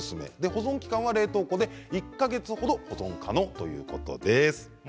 保存期間は冷凍庫で１か月程保存可能ということです。